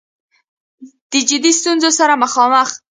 د جدي ستونځو سره مخامخ